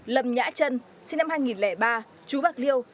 lâm nhã trân sinh năm hai nghìn ba chú bạc liêu